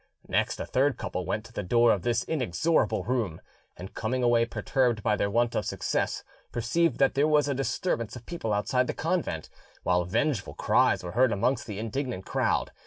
Next a third couple went to the door of this inexorable room, and coming away perturbed by their want of success, perceived that there was a disturbance of people outside the convent, while vengeful cries were heard amongst the indignant crowd.